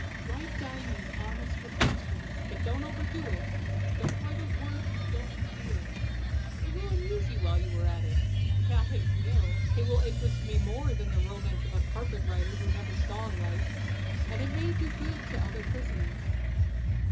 Write down these honest reflections, but don't overdo it don't write a word you don't feel. It will amuse you while you are at it." "That it will." "It will interest me more than the romance of a carpet writer who never saw life, and it may do good to other prisoners."